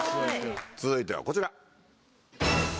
続いてはこちら！